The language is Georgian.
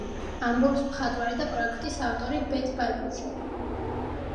ამბობს მხატვარი და პროექტის ავტორი ბეთ ბარბუში.